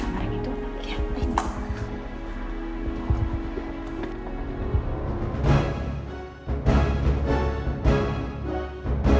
masih ada yang nunggu